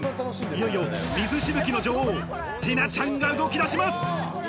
いよいよ水しぶきの女王、ティナちゃんが動き出します。